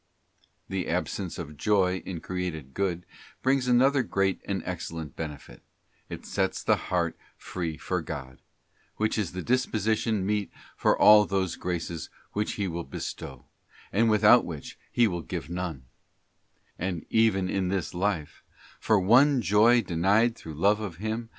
The absence of Joy in created good, brings another great and excellent benefit: it sets the heart free for God: which is a disposition meet for all those graces which He will bestow, and without which He will give none, And even in this life, for one joy denied through love of Him and for the * 2 Cor.